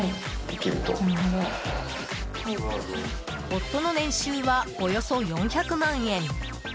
夫の年収はおよそ４００万円。